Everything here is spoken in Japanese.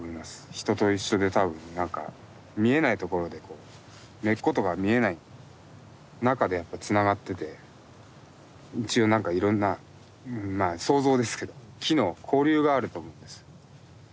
人と一緒で多分何か見えないところで根っことか見えない中でやっぱつながってて一応何かいろんなまあ想像ですけど木の交流があると思うんです。